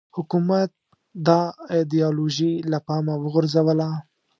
حکومت دا ایدیالوژي له پامه وغورځوله